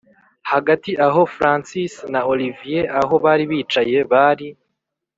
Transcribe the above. hagati aho francis na olivier aho bari bicaye bari